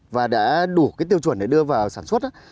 và đã đủ cái tiêu chuẩn để đưa vào sản xuất